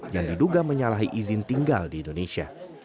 yang diduga menyalahi izin tinggal di indonesia